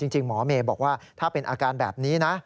จริงหมอเมย์บอกว่าถ้าเป็นอาการแบบนี้นะ